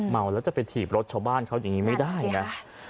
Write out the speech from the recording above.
เมาแล้วจะไปถีบรถชาวบ้านเขาอย่างนี้ไม่ได้นะ